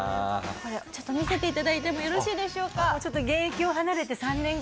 ちょっと見せて頂いてもよろしいでしょうか？